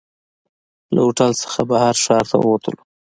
له هوټل څخه بهر ښار ته ووتلو.